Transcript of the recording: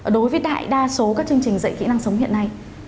đối với đại đa số các chương trình dạy kỹ năng sống hiện nay